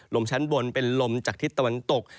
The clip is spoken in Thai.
ลมชั้นบนเป็นลมจากทิศตะวันตก